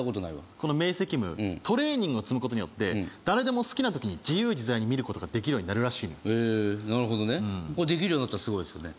この明晰夢トレーニングを積むことによって誰でも好きなときに自由自在に見ることができるようになるらしいのなるほどねできるようになったらすごいですよね